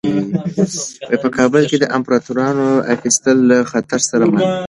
په کابل کې د اپارتمانونو اخیستل له خطر سره مل وو.